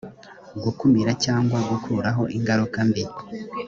gukumira cyangwa gukuraho ingaruka mbi